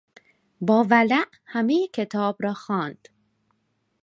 با ولع همهی کتاب را خواند.